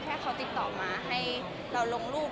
แค่เขาติดต่อมาให้เราลงรูป